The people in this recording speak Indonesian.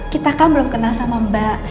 kita kan belum kenal sama mbak